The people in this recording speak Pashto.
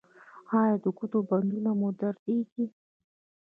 ایا د ګوتو بندونه مو دردیږي؟